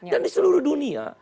dan di seluruh dunia